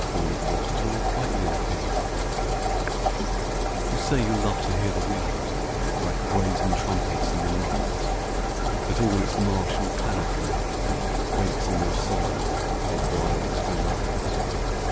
Aline Kilmer The Windy Night YOU say you love to hear the wind Like brazen trumpets in the night; That all its martial panoply Wakes in your soul a wild delight.